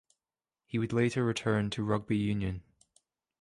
He would later return to rugby union.